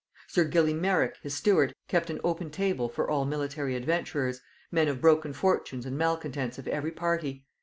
Sir Gilly Merrick, his steward, kept an open table for all military adventurers, men of broken fortunes and malcontents of every party.